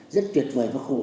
rất tuyệt vời và khổ đặc